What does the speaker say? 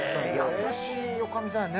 優しいおかみさんやね。